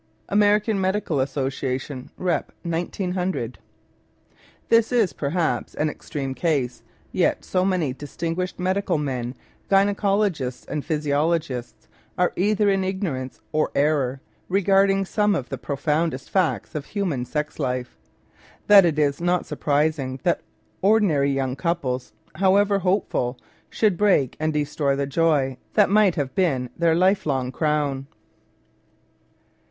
(Amer. Med. Assoc. Rep. 1 900.) This is, perhaps, an extreme case, yet so many distinguished medical men, gyne cologists and physiologists, are either in ignorance or error regard ing some of the profoundest facts of human sex life, that it is not surprising that ordinary young couples, however hopeful, should break and destroy the joy that might have been their life long crown.